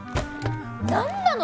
何なの？